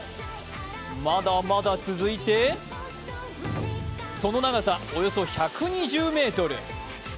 まだまだ続いて、その長さおよそ１２０ｍ。